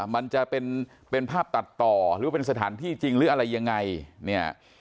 มันจะเป็นภาพตัดต่อหรือเป็นสถานที่จริงหรืออะไรยังไงเนี่ย